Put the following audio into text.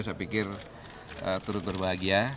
saya pikir terus berbahagia